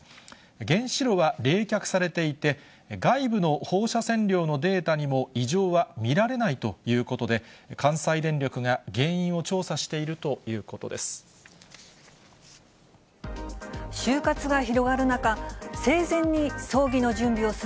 原子炉は冷却されていて、外部の放射線量のデータにも異常は見られないということで、関西電力が原因を調査しているということです。